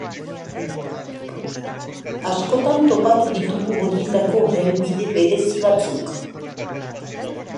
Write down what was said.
Askotan topatuko ditugu horietako helbide berezi batzuk.